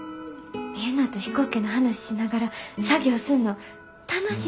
みんなと飛行機の話しながら作業すんの楽しいんです。